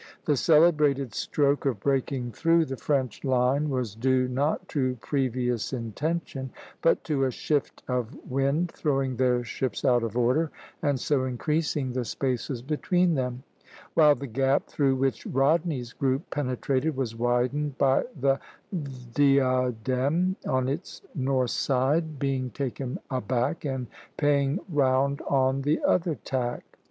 The celebrated stroke of breaking through the French line was due, not to previous intention, but to a shift of wind throwing their ships out of order and so increasing the spaces between them; while the gap through which Rodney's group penetrated was widened by the "Diadème" on its north side being taken aback and paying round on the other tack (C, c.)